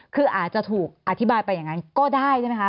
คืออาจจะถูกอธิบายไปอย่างนั้นก็ได้ใช่ไหมคะ